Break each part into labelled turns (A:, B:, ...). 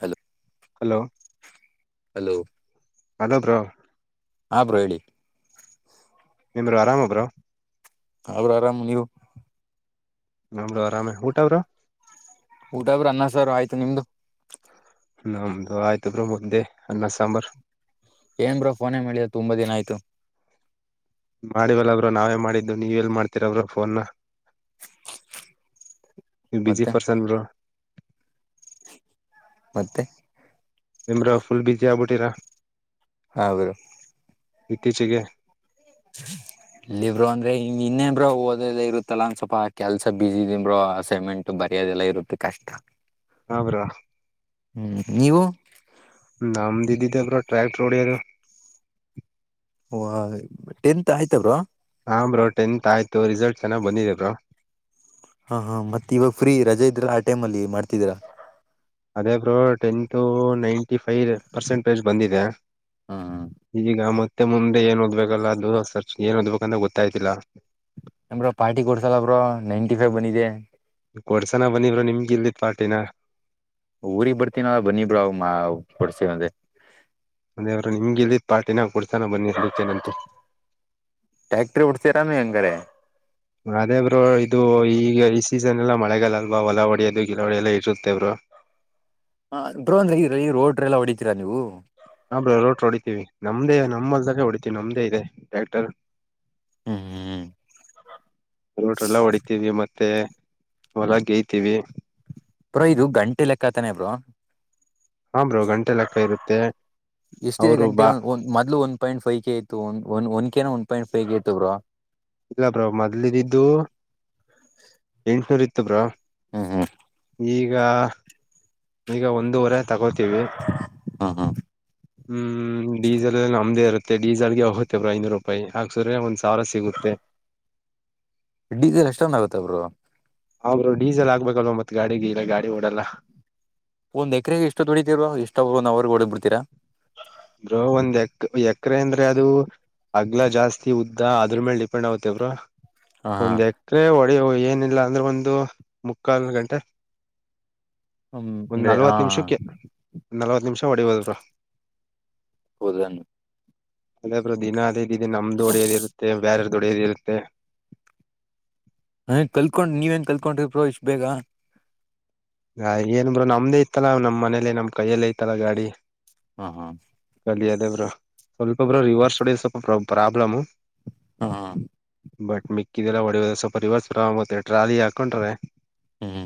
A: Hello
B: hello
A: hello
B: hello bro
A: ಹ bro ಹೇಳಿ
B: ನಿಮ್ಮೋರ್ ಆರಾಮ ಬ್ರೋ
A: ಅವ್ರ ಆರಾಮ್ ನೀವು
B: ನಾವು ಆರಾಮ ಬ್ರೋ ಊಟ ಅವರು
A: ಊಟ ಬಿ ಅನ್ನ ಸಾಂಬಾರ್ ಆಯ್ತು ನಿಮ್ದು
B: ನಮ್ದು ಆಯ್ತು ಬ್ರೋ ಮುದ್ದೆ ಅನ್ನ ಸಾಂಬಾರ್
A: ಏನ್ ಬ್ರೋ ಫೋನೇ ಮಾಡಿಲ್ಲ ತುಂಬಾ ದಿನ ಆಯ್ತು
B: ಮಾಡಿವಲ್ಲ ಬ್ರೋ ನಾವೇ ಮಾಡಿದ್ದು ನೀವ ಎಲ್ ಮಾಡ್ತೀರ ಬ್ರೋ ಫೋನ್ ನೀವು ಬಿಸಿ
A: ಮತ್ತೆ
B: ಪರ್ಸನ್ ಬ್ರೋ
A: ಮತ್ತೆ
B: ಎನ್ ಬ್ರೋ ಫುಲ್ ಬ್ಯುಸಿ ಆಗ್ಬಿಟ್ಟಿರಾ
A: ಹೌದು
B: ಇತ್ತೀಚೆಗೆ
A: ಇಲ್ಲಿಬ್ರು ಅಂದ್ರೆ ಇನ್ನೇನು ಬ್ರೋ ಓದದೆ ಇರುತ್ತಲ್ಲ ಅಂತ ಸ್ವಲ್ಪ ಕೆಲಸ ಬ್ಯುಸಿ ಇದೀನಿ ಬ್ರೋ ಆಸಾರಾಮೆಂಟು ಬರಿಯೋದೆಲ್ಲ ಇರುತ್ತೆ ಕಷ್ಟ
B: ಹಾ ಬ್ರೋ
A: ಹ್ಮ್ ನೀವು
B: ನಮ್ದು ಇದ್ದಿದ್ದೇ ಬ್ರೋ ಟ್ರಾಕ್ಟಾರ್ ಹೊಡಿಯೋದು
A: ಓ ಟೆಂತ್ ಆಯ್ತ ಬ್ರೋ
B: ಆ ಬ್ರೋ ಟೆಂತ್ ಆಯ್ತು ರಿಸಲ್ಟ್ ಚೆನ್ನಾಗಿ ಬಂದಿದೆ ಬ್ರೋ
A: ಹಾ ಹಾ ಮತ್ತ ಇವಾಗ ಫ್ರೀ ರಜೆ ಇದ್ರ ಆ ಟೈಮ್ ಅಲ್ಲಿ ಮಾಡ್ತಿದೀರಾ
B: ಅದೇ bro tenth nine five percentage ಬಂದಿದೆ
A: ಹ್ಮ್
B: ಈಗ ಮತ್ತ ಮತ್ತೆ ಮುಂದೆ ಏನ್ ಹೊಡ್ಬೇಕಲ್ಲ ದೂರರ್ ಏನ್ ಓದ್ಬೇಕಂತ ಗೊತ್ತಾಯ್ತಿಲ್ಲ
A: ಎನ್ ಬ್ರೋ ಪಾರ್ಟಿ ಕೊಡ್ಸಲ್ಲ ಬ್ರೋ ನಯಿಂಟಿ ಫೈವ್ ಬಂದಿದೆ
B: ಕೊಡ್ಸನ ಬನ್ನಿ ಬ್ರೋ ನಿಮ್ಗೆ ಇಲ್ದೆ ಇರೋ ಪಾರ್ಟಿನ
A: ಊರಿಗ್ ಬರ್ತೀನಿ ಬನ್ನಿ ಬ್ರೋ ಅವಾಗ ಕೊಡಸ್ತೀನಿ ಅದೇ
B: ಅಂದೇವರು ನಿಮ್ಗೆ ಇಲ್ಲ ಪಾರ್ಟಿನ ಕೊಡ್ಸಾನ ಬನ್ನಿ ಅದಕೆನಂತೆ
A: ಟ್ಯಾಕ್ಟ್ರಿ ಹೊಡಸತಿ ತಾನೇ ಅಂಗರೇ
B: ಅದೇ ಬ್ರೋ ಇದು ಈಗ ಈ ಸೀಸನ್ ಎಲ್ಲಾ ಮಳೆಗಾಲಲ್ವಾ ಹೊಲಾವಡಿ ಅದು ಗಿಲವಡಿ ಎಲ್ಲ ಇರುತ್ತೆ ಬ್ರೋ
A: ಹ ಬ ಅಂದ ಈ ರೋಡ್ ಎಲ್ಲಾ ಹೊಡಿತೀರಾ ನೀವು
B: ನಮ್ಮಲ್ದಾಗೆ ಹೊಡಿತೀವಿ ನಮ್ದೇ ಇದೆ ಟ್ಯಾಕ್ಟರ್
A: ಹ್ಮ್ ಹ್ಮ್ ಹ್ಮ್
B: ರೋಟ್ರೆಲ್ಲ ಹೊಡಿತೀವಿ ಮತ್ತೆ ಹೊಲ ಗೇಯ್ತಿವಿ
A: ಬ್ರೋ ಇದು ಗಂಟೆ ಲೆಕ್ಕಾತಾನೆ ಬ್ರೋ
B: ಹಾ ಬ್ರೋ ಗಂಟೆ ಲೆಕ್ಕ ಇರುತ್ತೆ ಅವರು ಬಾ
A: ಪಾಯಿಂ ಐತ್ತು ಒಂದನ್ಕನ ಒಂದ ಪಾಯಿಟ್ ಫೈವಗೆ ಐತ ಬ್ರಾ
B: ಇಲ್ಲ ಬ್ರೋ ಮೊದ್ಲದಿದ್ದು ಎಂಟನೂರ್ ಇತ್ತುಬ್ರಾ
A: ಹ್ಮ್ ಹ್ಮ್
B: ಈಗ ಈಗ ಒಂದೂವರೆ ತಗೋತೀವಿ
A: ಹ್ಮ ಹ್ಮ
B: ಹ್ಮ್ ಹ್ಮ್ ಡೀಸೆಲ್ ಅ ನಮ್ದೇ ಇರುತ್ತೆ ಡೀಸೆಲ್ಗೆ ಹೋಗುತ್ತೆ ಬ್ರ ಐನೂರು ರೂಪಾಯಿ ಹಾಕ್ಸಿದ್ರೆ ಒಂದ್ ಸಾವಿರ ಸಿಗುತ್ತೆ
A: ಇಡಿದ್ದ ಅಷ್ಟೊನ್ ಆಗುತ್ತೆಬ್ರು
B: ಆ ಬ್ರೋ ಡೀಸೆಲ್ ಆಗ್ಬೇಕಲ್ವ ಮತ್ ಗಾಡಿಗೆ ಇಲ್ಲ ಗಾಡಿ ಓಡಲ್ಲ
A: ಒಂದ್ ಎಕರೆೆಗೆ ಎಷ್ಟ ದುಡಿತತಿರು ಎಷ್ಟ ಅವರು ನಾವ್ರ ಓಡ ಬಿಡ್ತ
B: ಬ್ರೋ ಒಂದ್ ಎ ಎಕರೆ ಅಂದ್ರೆ ಅದು ಅಗ್ಲಾ ಜಾಸ್ತಿ ಉದ್ದ ಅದ್ರ ಮೇಲ್ ಡಿಪೆಂಡ್ ಆತವರು
A: ಹಾ ಹಾ
B: ಒಂದ್ ಎಕರೆ ಹೊಡಿಯ ಏನಿಲ್ಲ ಅಂದ್ರೆ ಒಂದು ಮುಕ್ಕಾಲ್ ಗಂಟೆ
A: ಹ್ಮ್
B: ಒಂದ್
A: ಅಂದ್ರೆ ಹಾ
B: ನಲ್ವತ್ ನಿಮಿಷಕ್ಕೆ ಒಂದ್ ನಲ್ವತ್ತು ನಿಮಿಷ ಹೊಡಿಬೋದ
A: ಹೌದಣ
B: ಅದೇಬ್ರು ದಿನ ಅದೇ ಇದ ನಮ್ದು ಡಿಯಲ್ಲಿ ಇರುತ್ತೆ ಬೇರೆ ತೊಡರಿರುತ್ತೆ
A: ಹ ಕಲ್ಕೊಂಡ್ ನೀವೇನ್ ಕಲ್ಕೊಂಡ್ರಿ ಪ್ರೋಷ್ ಬೇಗ
B: ಹ ಏನ್ ಬ್ರರು ನಮ್ದೇ ಇತ್ತಲ್ಲ ನಮ್ ಮನೇಲಿ ನಮ್ ಕೈಯಲ್ಲೇ ಐತ್ತಲ್ಲ ಗಾಡಿ
A: ಹಾ ಹಾ
B: ಅಲ್ಲಿ ಅದೇ ಬ್ರ ಸ್ವಲ್ಪೊಬ್ರು ರಿವರ್ಸ್ಡ ಸ್ವಲ್ಪ ಪ್ರ ಪ್ರಾಬ್ಲಮ್
A: ಹಾ
B: ಬಟ್ ಮಿಕ್ಕಿದ್ದಲ್ಲ ಹೊಡೆಯ ಸ್ವ ಪರಿವಾರರತ್ತೆ ಟ್ರಾಲಿ ಹಾಕೊಂಡ್ರೆ
A: ಹ್ಮ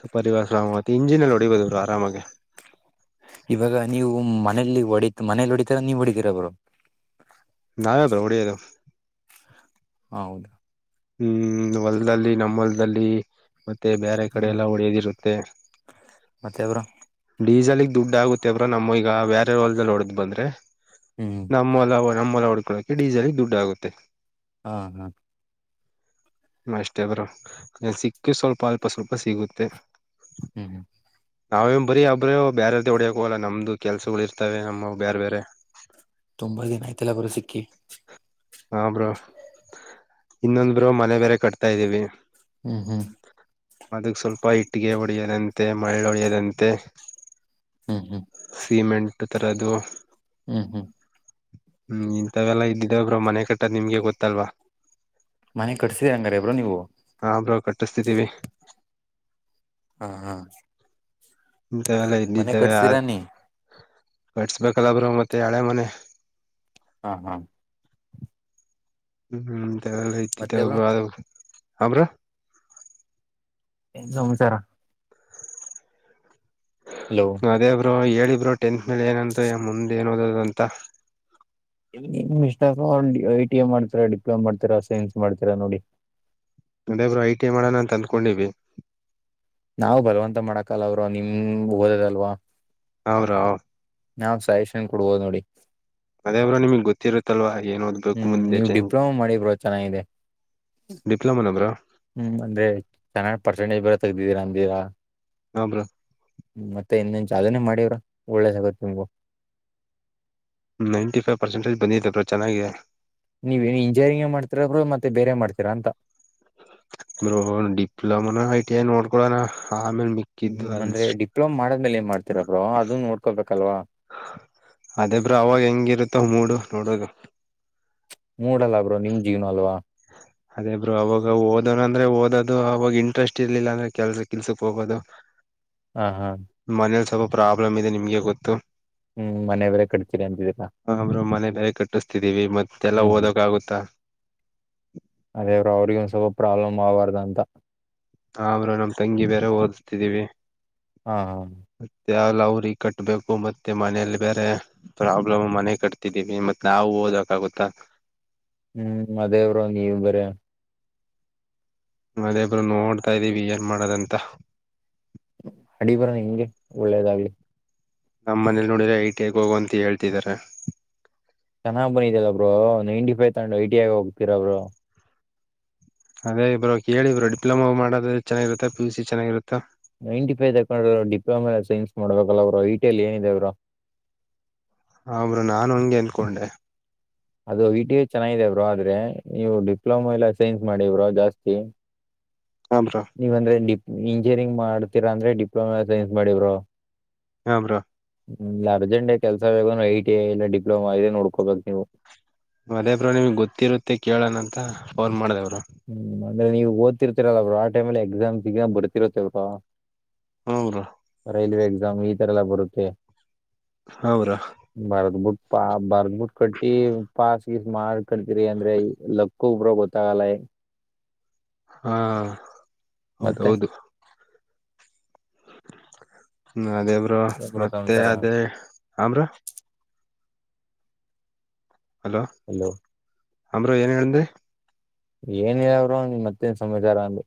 B: ಸಪರಿವ ಸಾಮ ಮ ಇಂಜಿನಲ್ಲಿ ಹೊಡಿಬದರು ಆರಾಮಾಗೆ
A: ಇವಾಗ ನೀವು ಮನೇಲಿ ಹೊಡಿತ ಮನೇಲಿ ಹೊಡಿತರ ನೀವು ಹೊಡಿತೀರ ಅವರು
B: ನಾವ ಬೌಡಿದು
A: ಹೌದು
B: ಹ್ಮ್ ಹೊಲ್ದಲ್ಲಿ ನಮ್ಮ ಹೊಲ್ದಲ್ಲಿ ಮತ್ತೆ ಬೇರೆ ಕಡೆ
A: ಹ್ಮ್
B: ಎಲ್ಲ ಹೊಡೆಯದಿರುತ್ತೆ
A: ಮತ್ತೆ ಬ್ರೋ
B: ಡೀಸೆಲ್ಗ್ ದುಡ್ ಆಗುತ್ತೆ ಬ್ರೋ ನಮ್ಮ ಈಗ ಬೇರೆ ಹೊಲ್ದಲ್ಲಿ ಹೊಡೆ್ದ್ ಬಂದ್ರೆ
A: ಹ್ಮ್
B: ನಮೊಲ ನಮ್ಮ ಹೊಲ ಹೊಡ್ಕೊಳ್ಳಕೆ ಡೀಸಲ್ ದುಡ್ಡು ಆಗುತ್ತೆ
A: ಹಾ ಹಾ
B: ಅಷ್ಟೇ್ ಬ್ರೋ ಸಿಕ್ಕದ್ರೆ ಸ್ವಲ್ಪ ಅಲ್ಪ ಸ್ವಲ್ಪ ಸಿಗುತ್ತೆ
A: ಹ್ಮ್ ಹ್ಮ
B: ನಾವೇ ಬರೀ ಒಬ್ಬ್ರ ಬೇರೆ್ದ ಹೊಡಿಹೋಗಲ್ಲ ನಮ್ದು ಕೆಲ್ಸಗಳು ಇರ್ತವೆ ನಮ್ಮ ಬೇರೆ ಬೇರೆ
A: ತುಂಬಾ ದಿನ ಆಯ್ತಲ್ಲ ಬ್ರೋ ಸಿಕ್ಕಿ
B: ಇನ್ನೊನ್ ಬೆಯೋ ಮನೆ ಬೇರೆ ಕಟ್ತಾ ಇದೀವಿ
A: ಹ್ಮ್ ಹ್ಮ್
B: ಅದಕ್ ಸ್ವಲ್ಪ ಇಟ್ಟಿಗೆ ಹೊಡಿಯದಂತೆ ಮಳ್ಳ ಹೊಡಿಯದಂತೆ
A: ಹ್ಮ್ ಹ್ಮ್
B: ಸಿಮೆಂಟ್ ತರದು
A: ಹ್ಮ್ ಹ್ಮ್
B: ಹ್ಮ್ ಇಂಥವೆಲ್ಲಾ ಇದ್ದಿದ್ದೇ ಬ್ರೋ ಮನೆ ಕಟ್ಟದ್ ನಿಮ್ಗೆ ಗೊತ್ತಲ್ವಾ
A: ಮನೆ ಕಟ್ಸಿ ಹಂಗಾರ ಬ್ರೋ ನೀವು
B: ಹು ಬ್ರೋ ಕಟ್ಟಿಸ್ತಿದ್ದೀವಿ
A: ಹಾ ಹಾ
B: ಇಂತವೆಲ್ಲ
A: ಮನೆ
B: ಇ್ದಿದ್ದವೆ ಯಾರ
A: ಕಟ್ಸಿರಾ ನೀ
B: ಕಟ್ಸ್ಬೇಕಲ್ಲ ಬ್ರೋ ರು ಮತ್ತೆ ಹಳೆ ಮನೆ
A: ಹಾ ಹಾ
B: ಹ್ಮ ಬ್ರೋ ಅ ಅರ
A: ಏನ್ ಸಮಾಚಾರಾ ಹಲೋ
B: ಅದೇ ಬ್ರೋ ಹೇಳಿ ಬ್ರೋ ಟೆಂತ್ ಮೇಲೆ ಏನಂತ ಮುಂದ್ ಏನ್ ಒದದು ಅಂತ
A: ನಿಮ್ ಇಷ್ಟ ಐ ಟಿ ಎ ಮಾಡ್ತೀರಾ ಡಿಪ್ಲೋಮಾ ಮಾಡ್ತೀರಾ ಸೈನ್ಸ್ ಮಾಡ್ತೀರಾ ನೋಡಿ
B: ಅದೇ ಬ್ರೋ ಐ ಟಿ ಐ ಮಾಡೋಣ ಅಂತ ಅಂದಕೊಂಡಿವಿ
A: ನಾವ್ ಬಲವಂತ ಮಾಡಕಲ್ಲ ಅವರು ನಿಮ ಓದದಲ್ವಾ
B: ಹೌ್ ಬ್ರೋ
A: ನಾವ್ ಸೊಲ್ಯೂಷನ್ ಕೊಡ್ಬೋದು್ ನೋಡಿ
B: ಅದೇ ಬ್ರೋ ನಿಮ್ಗ್ ಗೊತ್ತಿರುತ್ತಲ್ವ
A: ಹ್ಮ್ ನೀವ್ ಡಿಪ್ಲೊಮಾ ಮಾಡಿಿ ಬ್ರೋ ಚೆನ್ನಾಗಿದೆ
B: ಡಿಪ್ಲೊಮಾನ ಬ್ರೋ
A: ಹ್ಮ್ ಅಂದ್ರೆ ಚೆನಾಗಿ ಪರ್ಸೆಂಟೇಜ್ ಬೇರೆ ತಗ್ದಿದೀರ ಅಂದಿರ
B: ಹಾ ಬ್ರೋ
A: ಮತ್ತೆ ಇನ್ನೊನ್ ಜಾಲನೆೇ ಮಾಡಿವ್ ಬ್ರೋ ಒಳ್ಳೆದಾಗತ್ತ ನಿಮಗುವ
B: ನೈಂಟಿ ಫೈವ್ ಪರ್ಸೆಂಟೇಜ್ ಬಂದಿದೆ ಬ್ರೋ ಚೆನ್ನಾಗಿ
A: ನೀವೇನ ಇಂಜಿನಿಯರಿಂಗ್ ಮಾಡ್ತೀರಾ ಮತ್ತೆ ಬೇರೆ ಮಾಡ್ತೀರಾ ಅಂತ
B: ಬ್ರೋ ಡಿಪ್ಲೊಮಾನ ಐ ಟಿ ಐ ನೋಡ್ಕೊಳೋಣ
A: ಹ್ಮ್ ಅಂದ್ರೆ ಡಿಪ್ಲೊಮ ಮಾಡದ್ಮೇಲೆ ಏನ್ ಮಾಡ್ತತಿರ ಬ್ರೋ ಅದನ್ನ ನೋಡ್ಕೊಳ್ಬೇಕಲ್ವಾ
B: ಅದೇ ಬ್ರೋ ಅವಾಗ ಹೆಂಗಿರುತ್ತ ಮೂಡು ನೋಡೋದು
A: ಮೂಡಲ್ಲ ಬ್ರೋ ನಿಮ್ ಜೀವನ ಅಲ್ವಾ
B: ಅದೇ ಬ್ರೋ ಅವಾಗ ಓದನಾ ಅಂದ್ರೆ ಓದೋದು ಅವಾಗ ಇಂಟ್ರೆಸ್ಟ್ ಇರ್ಲಿಲ್ಲ ಅಂದ್ರೆ ಕೆಲ್ಸ ಕಿಲ್ಸಕ್ ಹೋಗೋದು
A: ಹ್ಮ್ ಹ್ಮ್
B: ಮನೇಲಿ ಸ್ವಲ್ಪ ಪ್ರಾಬ್ಲಮ್ ಇದೆ ನಿಮ್ಗೆ ಗೊತ್ತು
A: ಹ್ಮ್ ಮನೆ ಬೇರೆ ಕಟ್ತೀರಿ ಅಂತಿ
B: ಹಾ ಬ್ರೋ ಮನೆ ಬಲೆ ಕಟ್ಟಿಸಸ್ತಿದೀವಿ ಮತ್ತೆಲ್ಲ
A: ಹ್ಮ್ ಹ್ಮ್
B: ಓದಕ ಆಗುತ್ತಾ
A: ಅದೇ ಬ್ರೋ ಅವರಗಿಗೆ ಸ್ವಲ್ಪ ಪ್ರಾಬ್ಲಮ್ ಆಬಾರ್ದ ಅಂತ
B: ಹಾ ಬ್ರೋ ನಮ್ ತಂಗಿ ಬೇರೆ ಓದ್ತಿದ್ದೀವಿ
A: ಹಾ ಹಾ
B: ಎಲ್ಲ ಅವ್ರಿಗೆ ಕಟ್ಬೇಕು ಮತ್ತೆ ಮನೇೆಯಲ್ಲಿ ಬೇರೆ ಪ್ರಾಬ್ಲಮ್ ಮನೆ ಕಟ್ತಿದ್ದೀವಿ ಮತ್ತೆ ನಾವು ಓದಕಾಗುತ್ತಾ
A: ಹ್ಮ್ ಅದೇವರು ನೀವ ಬೇರೆ
B: [unintelligible] ನೋಡ್ತಾ ಇದ್ದೀವಿ ಏನ್ ಮಾಡೋದಂತ
A: ಅಡಿ ಬರ ಹೆಂಗೆ ಒಳ್ಳೇದಾಗ್ಲಿ
B: ನಮ್ಮ್ ಮನೇಲಿ ನೋಡಿದ್ರೆ ಐ ಟಿ ಐ ಹೋಗು ಅಂತ ಹೇಳ್ತಿದಿದ್ದಾರೆ
A: ಚೆನ್ನ್ ಬಿದ್ದಿಲ್ಲಬ್ರು ನೈನ್ಟಿ ಫೈವ್ ತಂಡೊಂಡ ಐಟಿಗ ಹೋಗ್ತೀರಬ್ರು
B: ಅದೇ ಇಬ್ರು ಕೇಳಿ ಇಬ್ರು ಡಿಪ್ಲೊಮಾ ಮಾಡೋದ ಚೆನ್ನಾಗಿರುತ್ತ ಪಿ ಯು ಸಿ ಚೆನ್ನಾಗಿರುತ್ತಾ.
A: ನೈನ್ಟಿ ಫೈವ್ ತಕೊಂಡ್ರರು ಡಿಪ್ಲೊಮಾ ಸೈನ್ಸ್ ಮಾಡ್ಬೇಕಲ್ಲ ಅವ್ರು ಐಟಿ ಎಲ್ ಏನಿದೆ ಬ್ರೋ.
B: ಹಾ ಬ್ರೋ ನಾನು ಹಂಗೆ ಅನ್ಕೊಂಡೆ
A: ಅದು ಐ ಟಿ ಐ ಚೆನ್ನಗಿದೆ ಬ್ರೋ ಆದ್ರೆ ನೀವು ಡಿಪ್ಲೊಮಾ ಎಲ್ಲ ಸೈನ್ಸ್ ಮಾಡಿ ಬ್ರೋ ಜಾಸ್ತಿ.
B: ಹಾ ಬ್ರೋ
A: ನೀವ ಅಂದ್ರೆ ಡಿಪ್ ಇಂಜಿನಿಯರಿಂಗ್ ಮಾಡ್ತೀರಾ ಅಂದ್ರೆ ಡಿಪ್ಲೊಮಾ ಸೈನ್ಸ್ ಮಾಡಿ ಬ್ರೋ
B: ಹಾ ಬ್ರೋ
A: ಲ್ಲ ಅರ್ಜೆಂಟ ಕೆಲಸ್ರ ಐಟ ಐ ಇಲ್ಲ ಡಿಪ್ಲೋಮಾ ಇದೇ ನೋಡ್ಕೋಬೇಕ್ ನೀವು.
B: ಅದೆ ಬ್ರೋ ನಿಮಗೆ ಗೊತ್ತಿರುತ್ತೆ ಅಂತ ಫೋನ್ ಮಾಡಿದೆ ಬ್ರೋ
A: ಹ್ಮ್ ಅಂದ್ರೆ ನೀವು ಓದತಿರ್ತಿರಲ್ಲ ಅವರು ಆ ಟೈಮಲ್ಲಿ ಎಕ್ಸಾಮ್ ಸಿ ಈಗ ಬರ್ತಿರತ್ತಲ್ವಾ
B: ಹ್ಮ್ ಬ್ರೋ
A: ರೈಲ್ವೆ ಎಕ್ಸಾಮ್ ಇತರೆಲ್ಲ ಬರುತ್ತೆ
B: ಹಾ ಬ್ರೋ
A: ಭಾರ ಬುಟ್ ಭಾರ ಬುಟ್ ಕಟ್ಟಿ ಪಸ್ ಚೀಟ್ ಮಾಡ್ ಕಳ್ತಿರಿ ಅಂದ್ರೆ ಲಕ್ಕು ಬ್ರೋ ಗೊತ್ತಾಗಲ್ಲ
B: ಹಾ
A: ಮತ್ತೆ
B: ಹೌದದು ಹ್ಮ ಅದೇ ಬ್ರೋ
A: ಏನ್
B: ಮತ್ತೆ
A: ಸಮಾಚಾರ
B: ಅದೇ ಹ ಬ್ರೋ ಹಲೋ ಹಾ ಬ್ರೋ ಏನಂದ್ರಿ
A: ಏನಿಲ್ಲ ಬ್ರೋ ಮತ್ತೆ ಏನು ಸಮಾಚಾರ ಅಂದೆ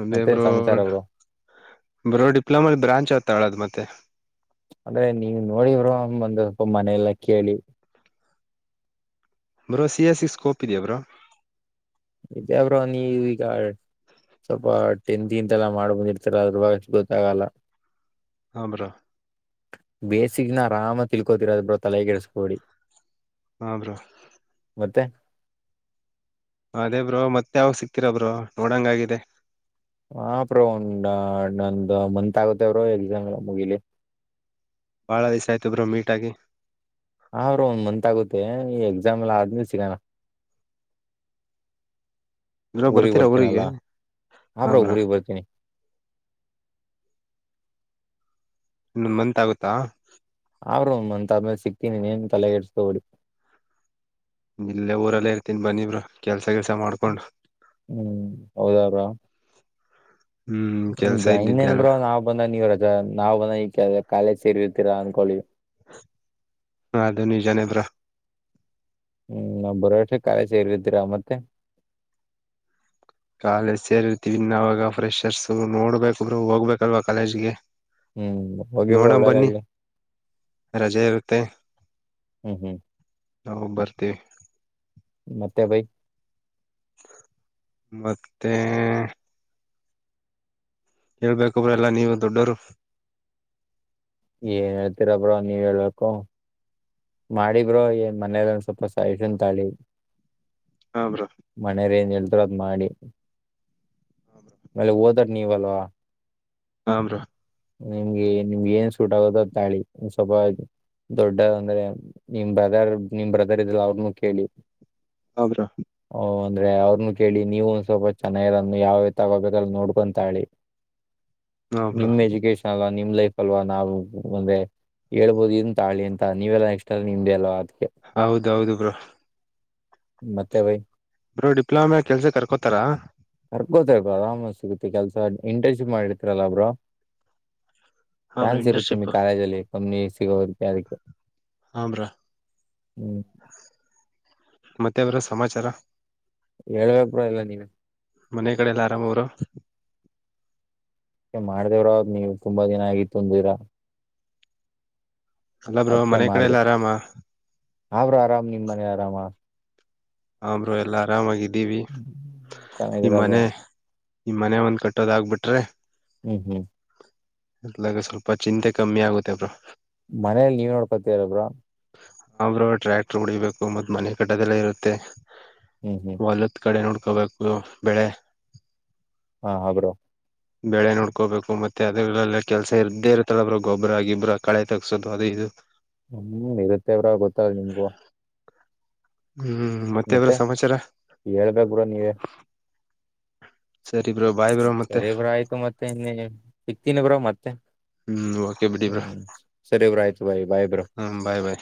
B: ಅದೇ
A: ಮತ್ತೇನ್
B: ಬ್ರೋ
A: ಸಮಾಚಾರ ಬ್ರೋ
B: ಬ್ರೋ ಡಿಪ್ಲೊಮಲ್ ಬ್ರಾಂಚ್ ಯಾವುದು ತಗೋಳೋದು ಮತ್ತೆ
A: ಅಂದ್ರೆ ನೀವ್ ನೋಡಿವ್ರ ಒಂದ ಸ್ವ ಮನೆಯಲ್ಲ ಕೇಳಿ
B: bro C S C scope ಇದ್ಯ ಬ್ರೋ.
A: ಇದೆೇ ಬ್ರೋ ನೀವ್ ಈಗಾ ಸ್ವಲ್ಪ ತಿಂಡಿ ಗಿಂಡಿ ಮಾಡಿ ಬಂದಿರ್ತೀರಲ್ಲ ಬ್ರೋ, ಅದಕ್ಕೆ ಗೊತ್ತಾಗಲ್ಲ
B: ಹ ಬ್ರೋ
A: ಬೇಸಿಕ್ ನ ಆರಾಮಾಗಿ ತಿಳ್ಕೋತಿರಾ ಬ್ರೋ ತಲೆ ಕೆಡಿಸ್ಕೋಬೇಡಿ.
B: ಹಾ ಬ್ರೋ
A: ಮತ್ತೆ
B: ಅದೇ ಬ್ರೋ ಮತ್ತೆ ಯಾವ ಸಿಕ್ತೀರ ಬ್ರೋ ನೋಡಂಗಾಗಿದೆ.
A: ಹ ಬ್ರೋ ಒಂಡ್ ನಂದು ಮಂತ್ ಆಗುತ್ತೆ ಅವರು ಎಕ್ಸಾಮ್ ಮುಗಿಲಿ.
B: ಬಹಳ ದಿಸ ಆಯ್ತು ಬ್ರೋ ಮೀಟ್ ಆಗಿ.
A: ಆ ಬ್ರೋ ಒಂದ್ ಮಂತ್ ಆಗುತ್ತೆ ಈ ಎಕ್ಸಾಮ್ ಎಲ್ಲಾ ಆದ್ಮೇಲೆ ಸಿಗೋಣ
B: ಬ್ರೋ
A: ಊರಿಗೆ
B: ಬರ್ತೀರಾ
A: ಬರುತ್ತಿನಲ್ಲ ಹಾ ಬ್ರೋ ಊರಿಗ್ ಬರ್ತೀನಿ.
B: [inaudible] ಇನ್ನೊಂದು ಮನ್ತ್ ಆಗುತ್ತಾ
A: ಹಾ ಬ್ರೋ ಇನ್ನೊಂದು ಮಂತ್ ಮೇಲೆ ಸಿಕ್ತೀನಿ ತಲೆ ಕೆಡಿಸ್ಕೋಬೇಡಿ.
B: ಇಲ್ಲೇ ಊರಲ್ಲೇ ಇರ್ತೀನಿ ಬನ್ನಿ ಬ್ರೋ ಕೆಲಸ ಇಲ್
A: ಹ್ಮ್ ಹೌದಾ ಬ್ರೋ
B: ಹ್ಮ್ ಕೆಲ್ಸ ಇದ್ದಿದ್ದೆ
A: ಇನ್ನೇನ್
B: ಅಲ್ವಾ
A: ಬ್ರೋ ನಾವ್ ಬಂದಾಗೆಲ್ಲ ಕಾಲೇಜ್ ಹೋಗಿರ್ತೀರಾ ಅಂತ ಅನ್ಕೊಂಡಿದ್ದೆ.
B: ಅದು ನಿಜನೆ ಬ್ರೋ
A: ನಾ ಬರೋ ಅಷ್ಟ್ರಲ್ಲಿ ಕಾಲೇಜ್ ಸೇರಿರ್ತ್ತಿರ ಮತ್ತೆ
B: ಕಾಲೇಜ್ ಸೇರಿರ್ತೀವಿ ಇನ್ನುವಾಗ ಫ್ರೆಷರ್ಸ್ ನೋಡಬೇಕು ಹೋಗಬೇಕಲ್ಲ ಕಾಲೇಜ್ಗೆ.
A: ಹ್ಮ್ ಹೋಗಿ ಬ್ರೋ
B: ನೋಡಣ ಬನ್ನಿ
A: ಒಳ್ಳೇದಾಗ್ಲಿ.
B: ರಜೆ ಇರುತ್ತೆ
A: ಹ್ಮ್ ಹ್ಮ್
B: ನಾ ಬರ್ತೀವಿ.
A: ಮತ್ತೆ ಭೈ
B: ಮತ್ತೆ ಹೇಳ್ಬೇಕು ಬ್ರೋ, ನೀವೇ ದೊಡ್ಡವರು
A: ಏನ್ ಹೇಳ್ತೀರಾ ಬ್ರೋ, ನೀವೇ ಹೇಳ್ಬೇಕು ಮಾಡಿ ಬ್ರೋ ಏನ್ ಮನೇಲ್ ಒಂದ ಸ್ವಲ್ಪ ಸಜೆಶನ್ ತಗಳಿ
B: ಹಾ ಬ್ರೋ
A: ಮನೇರೇನೇಳ್ ತಾರೋ ಅದ್ನ ಮಾಡಿ ನಾಳೆ ಓದೋರು ನೀವಲ್ವಾ
B: ಹಾ ಬ್ರೋ
A: ನಿಮಗೇನು ಸೂಟ್ ಆಗುತ್ತೋ ಅದು ತಗೊಳ್ಳಿ ದೊಡ್ಡವರಂದ್ರೆ ನಿಮ್ ಬ್ರದರ್ ನಿಮ್ ಬ್ರದರ್ ಇದರಲ್ಲ ಅವ್ರನು ಕೇಳಿ
B: ಹಾ ಬ್ರೋ
A: ಅವ್ ಅಂದ್ರೆ ಅವರ್ನೂ ಕೇಳಿ ನೀವು ಒಂದ್ ಸ್ವಲ್ಪ ಚೆನ್ನಾಗಿರೋದು ಯಾವ್ದಂತ ತಗಳಿ
B: ಹಾ ಬ್ರೋ
A: ನಿಮ್ಮ ಎಜುಕೇಶನ್ ಅಲ್ಲಾ ನಿಮ್ಮ ಲೈಫ್ ಅಲ್ವಾ ನಾವು ಮುಂದೆ ಹೇಳಬಹುದ ಇದನ್ ತಗೋಳಿ ಇದನ್ನ ತಗ [unintelligible]
B: ಹೌದೌದು ಬ್ರೋ
A: ಮತ್ತೆ ಭೈ
B: ಬೋ ಡಿಪ್ಲೊಮ್ಯಾಗ್ ಕೆಲ್ಸಕ್ ಕರ್ಕೋತಾರಾ
A: ಕರ್ಕೋತಾರ್ ಆರಾಮ್ ಸಿಗುತ್ತೆ ಕೆಲ್ಸ ಇಂಟರ್ನ್ಶಿಪ್ ಮಾಡಿರ್ತೀರಲ್ಲಾ ಬ್ರೋ
B: ಹಾ ಬ್ರೋ
A: ಚಾನ್ಸ್ ಇರುತ್ತೆ
B: ಇಂಟರ್ನ್ಶಿಪ್
A: ನಿಮಗೆ ಕಾಲೇಜಲ್ಲಿ ಕಂಪ್ನಿ ಸಿಗೋದಕ್ಕೆ ಅದಕ್ಕೆ
B: ಹಾ ಬ್ರೋ
A: ಹ್ಮ್
B: ಮತ್ತೆ ಬ್ರೋ ಸಮಾಚಾರ
A: ಹೇಳ್ಬೇಕ್ ಬ್ರೋ ಎಲ್ಲ ನೀವೇ
B: ಮನೆ ಕಡೆಲ್ಲ ಆರಾಮ್ ಅವ್ರು
A: ಮಾಡ್ದೇವ್ರಾವ್ ನೀವ್ ತುಂಬಾ ದಿನ ಆಗಿತ್ತು ಅಂದಿರಾ
B: ಅಲ್ಲ ಬ್ರೋ
A: ಅದ್ಕೆ
B: ಮನೆ ಕಡೆ
A: ಮಾಡ್ದೆ
B: ಎಲ್ಲ ಆರಾಮ
A: ಹಾ ಬ್ರೋ ಆರಾಮ ನಿಮ್ಮನೆಲ್ ಆರಾಮ
B: ಹಾ ಬ್ರೋ ಎಲ್ಲಾ ಆರಾಮಾಗಿದ್ದೀವಿ
A: ಚೆನ್ನಾಗಿದಿರಾ ಬ್ರೋ
B: ನಿಮ್ಮನೆ ಈ ಮನೆ ಒಂದ್ ಕಟ್ಟೋದ ಆಗ್ಬಿಟ್ರೆ
A: ಹ್ಮ್ ಹ್ಮ್
B: ಅತ್ಲಾಗ ಸ್ವಲ್ಪ ಚಿಂತೆ ಕಮ್ಮಿ ಆಗುತ್ತೆ ಬ್ರೋ
A: ಮನೇಲ್ ನೀವೆ ನೋಡ್ಕತೀರ ಬ್ರೋ
B: ಹಾ ಬ್ರೋ ಟ್ರ್ಯಾಕ್ಟರ್ ಹೊಡಿಬೇಕು ಮತ್ ಮನೆ ಕಟ್ಟದೆಲ್ಲ ಇರುತ್ತೆ
A: ಹ್ಮ್ ಹ್ಮ್
B: ಹೊಲತ್ಕಡೆ ನೋಡ್ಕೋಬೇಕ್ ಬ್ರೋ ಬೆಳೆ
A: ಹಾ ಹಾ ಬ್ರೋ
B: ಬೆಳೆ ನೋಡ್ಕೋಬೇಕು ಮತ್ತೆ ಅದ್ರಲ್ಲೆಲ್ಲ ಕೆಲ್ಸ ಇರ್ದೇ ಇರ್ತಲ್ಲ ಬ್ರೋ ಗೊಬ್ರ ಗಿಬ್ಬ್ರ ಕಳೆ ತಗ್ಸೋದು ಅದು ಇದು
A: ಹ್ಮ ಇರುತ್ತೇ ಬ್ರೋ ಗೊತ್ತಲ್ ನಿಮ್ಗೂ
B: ಹ್ಮ್ ಮತ್ತೆ ಬ್ರೋ ಸಮಾಚಾರ
A: ಹೇಳ್ಬೇಕ್ ಬ್ರೋ ನೀವೇ
B: ಸರಿ ಬ್ರೋ ಬಾಯ್ ಬ್ರೋ ಮತ್ತೆ
A: ಸರಿೇ ಬ್ರೋ ಆಯ್ತು ಮತ್ತೆ ಇನ್ನ ಸಿಕ್ತೀನಿ ಬ್ರೋ ಮತ್ತೆ
B: ಹ್ಮ್ ಓಕೆ
A: ಹ್ಮ್ ಸರಿ ಬ್ರೋ ಆಯ್ತು ಬಾಯ್ ಬಾಯ್ ಬ್ರೋ.
B: ಹಾ ಬಾಯ್ ಬಾಯ್